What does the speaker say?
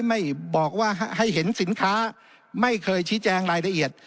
ไม่บอกว่าให้เห็นสินค้าไม่เคยชี้แจงรายละเอียด